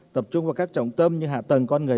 tập trung vào các trọng tâm như hạ tầng con người